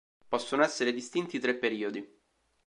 Possono essere distinti tre periodi.